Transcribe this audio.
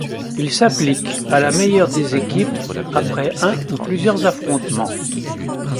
Il s'applique à la meilleure des équipes après un ou plusieurs affrontements.